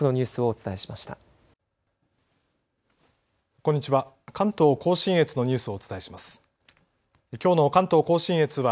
こんにちは。